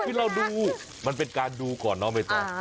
คือเราดูมันเป็นการดูก่อนไม่ต่อ